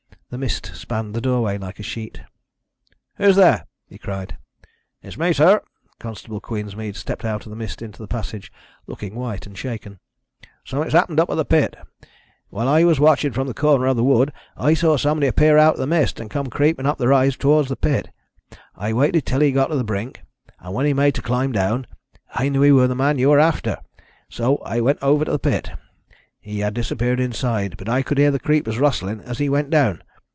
The mist spanned the doorway like a sheet. "Who's there?" he cried. "It's me, sir." Constable Queensmead stepped out of the mist into the passage, looking white and shaken. "Something's happened up at the pit. While I was watching from the corner of the wood I saw somebody appear out of the mist and come creeping up the rise towards the pit. I waited till he got to the brink, and when he made to climb down, I knew he was the man you were after, so I went over to the pit. He had disappeared inside, but I could hear the creepers rustling as he went down.